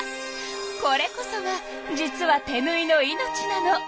これこそが実は手ぬいの命なの。